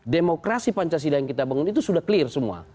demokrasi pancasila yang kita bangun itu sudah clear semua